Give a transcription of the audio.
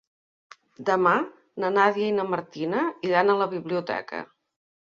Demà na Nàdia i na Martina iran a la biblioteca.